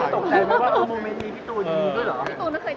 ตกใจไหมว่ามุมเมนต์นี้พี่ตูนอยู่ด้วยเหรอ